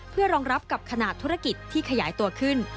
เพื่อรองรับกับขนาดธุรกิจที่ขยายตัวขึ้น